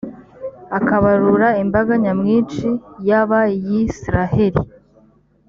akabarura imbaga nyamwinshi y’abayisraheli?